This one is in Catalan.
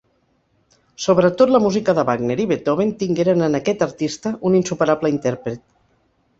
Sobretot la música de Wagner i Beethoven tingueren en aquest artista un insuperable intèrpret.